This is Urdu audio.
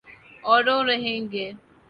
اوروہ رہیں گے۔